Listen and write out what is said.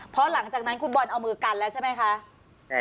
เพราะหลังจากนั้นคุณบอลเอามือกันแล้วใช่ไหมคะ